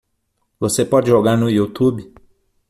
Você pode jogar no Youtube?